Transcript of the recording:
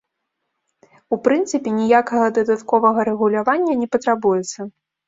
У прынцыпе ніякага дадатковага рэгулявання не патрабуецца.